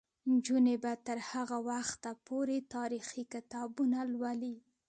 نجونې به تر هغه وخته پورې تاریخي کتابونه لولي.